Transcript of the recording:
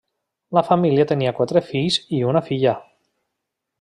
La família tenia quatre fills i una filla.